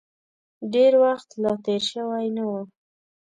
ډېر وخت لا تېر شوی نه و.